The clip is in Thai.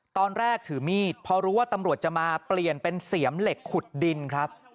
ตอนแรกถือมีดพอรู้ว่าตำรวจจะมาเปลี่ยนเป็นเสียมเหล็กขุดดินครับ